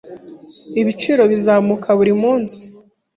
Ibiciro bizamuka buri munsi.